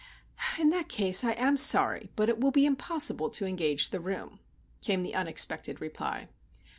"In that case, I am sorry, but it will be impossible to engage the room," came the unexpected reply.